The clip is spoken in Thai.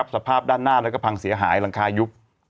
สภาพด้านหน้าแล้วก็พังเสียหายหลังคายุบ